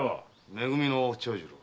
め組の長次郎。